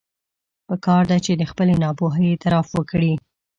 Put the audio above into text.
پکار ده چې د خپلې ناپوهي اعتراف وکړي.